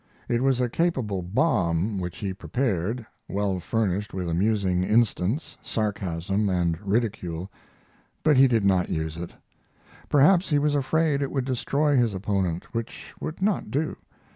It was a capable bomb which he prepared, well furnished with amusing instance, sarcasm, and ridicule, but he did not use it. Perhaps he was afraid it would destroy his opponent, which would not do.